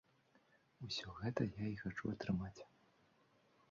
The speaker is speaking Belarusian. Усё гэта я і хачу атрымаць.